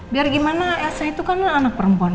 biar gimana elsa itu kan anak perempuan